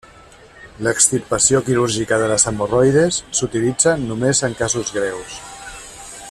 L'extirpació quirúrgica de les hemorroides s'utilitza només en casos greus.